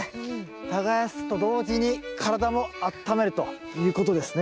耕すと同時に体もあっためるということですね。